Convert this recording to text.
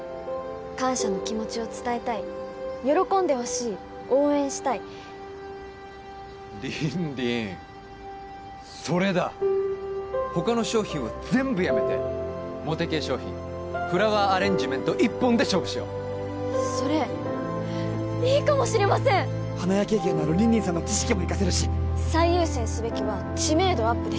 感謝の気持ちを伝えたい喜んでほしい応援したい凜々それだ他の商品は全部やめてモテ系商品フラワーアレンジメント一本で勝負しようそれいいかもしれません花屋経験のある凜々さんの知識も生かせるし最優先すべきは知名度アップです